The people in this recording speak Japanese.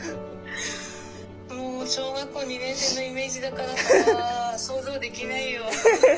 もう小学校２年生のイメージだからさ想像できないよ。